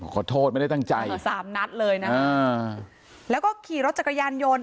ขอโทษไม่ได้ตั้งใจสามนัดเลยนะแล้วก็ขี่รถจักรยานยนต์